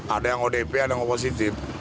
ada yang odp ada yang positif